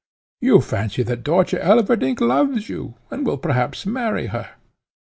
You fancy that Dörtje Elverdink loves you, and will perhaps marry her.